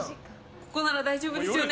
ここなら大丈夫ですよね。